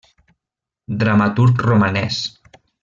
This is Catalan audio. Dramaturg romanès.